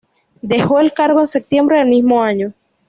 Dejó el cargo en septiembre del mismo año.